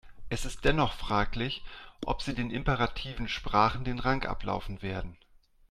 Es ist dennoch fraglich, ob sie den imperativen Sprachen den Rang ablaufen werden.